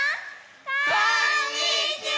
こんにちは！